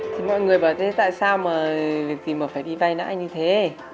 thì mọi người bảo thế tại sao mà việc gì mà phải đi vay nãi như thế